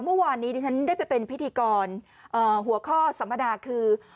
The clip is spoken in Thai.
เมื่อวานนี้ดิฉันได้ไปเป็นพิธีกรหัวข้อสัมมนาคือ